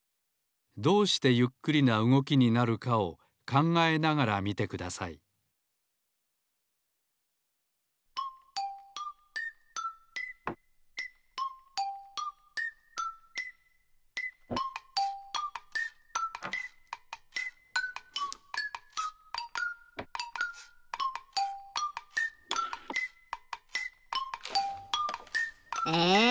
どうしてゆっくりなうごきになるかを考えながら見てくださいえ